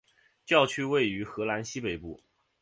教区位于荷兰西北部。